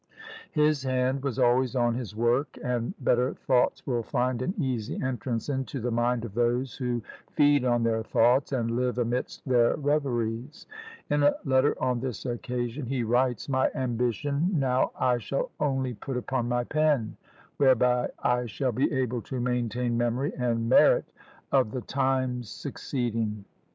His hand was always on his work, and better thoughts will find an easy entrance into the mind of those who feed on their thoughts, and live amidst their reveries. In a letter on this occasion, he writes, "My ambition now I shall only put upon my PEN, whereby I shall be able to maintain memory and merit, of THE TIMES SUCCEEDING."